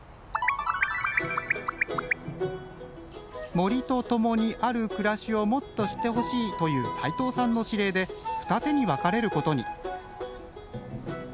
森と共にある暮らしをもっと知ってほしいという斉藤さんの指令で二手に分かれることに。